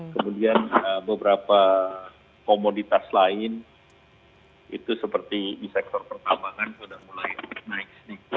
kemudian beberapa komoditas lain itu seperti di sektor pertambangan sudah mulai naik